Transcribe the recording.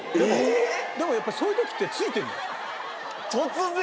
でもやっぱりそういう時ってついてるんだよ。